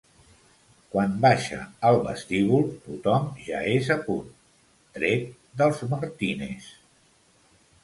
Quan baixa al vestíbul tothom ja és a punt, tret dels Martínez.